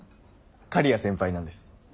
刈谷先輩なんです。